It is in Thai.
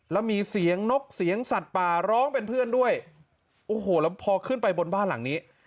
แล้วมีเสียงนกเสียงสัตว์ป่าร้องเป็นเพื่อนด้วยโอ้โหแล้วพอขึ้นไปบนบ้านหลังนี้